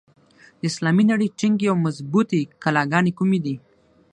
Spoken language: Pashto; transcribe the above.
د اسلامي نړۍ ټینګې او مضبوطي کلاګانې کومي دي؟